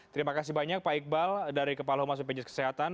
terima kasih banyak pak iqbal dari kepala humas bpjs kesehatan